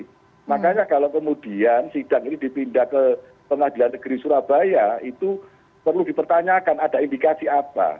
jadi makanya kalau kemudian sidang ini dipindah ke pengadilan negeri surabaya itu perlu dipertanyakan ada indikasi apa